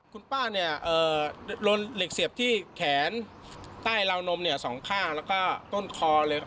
คุณป้าเนี่ยโดนเหล็กเสียบที่แขนใต้ราวนมเนี่ยสองข้างแล้วก็ต้นคอเลย